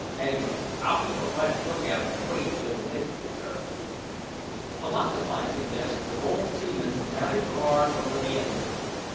Anyhow I'll keep a bright look out an' wait till the niggers return." Philosophising thus, the bold seaman mounted guard over the elephant.